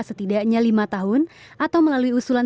setidaknya lima tahun atau melalui usulan